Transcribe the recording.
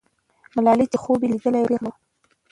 ملالۍ چې خوب یې لیدلی وو، پیغله وه.